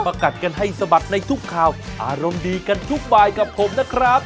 กัดกันให้สะบัดในทุกข่าวอารมณ์ดีกันทุกบายกับผมนะครับ